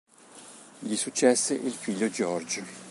Gli successe il figlio George.